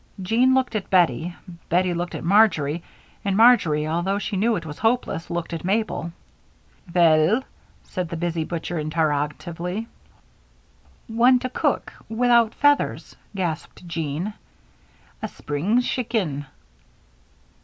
Jean looked at Bettie, Bettie looked at Marjory, and Marjory, although she knew it was hopeless, looked at Mabel. "Vell?" said the busy butcher, interrogatively. "One to cook without feathers," gasped Jean. "A spring schicken?"